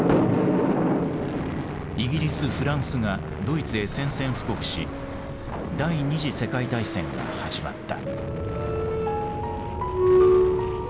イギリスフランスがドイツへ宣戦布告し第二次世界大戦が始まった。